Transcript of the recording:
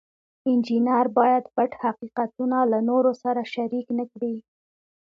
انجینر باید پټ حقیقتونه له نورو سره شریک نکړي.